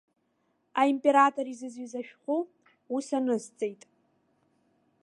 Аимператор изызҩыз ашәҟәы ус анысҵеит.